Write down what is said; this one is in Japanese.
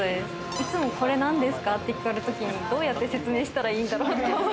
いつも、これなんですか？って聞かれたときに、どうやって説明したらいいんだろうって。